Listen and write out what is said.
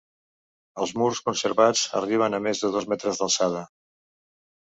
Els murs conservats arriben a més de dos metres d'alçada.